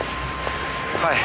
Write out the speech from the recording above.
はい。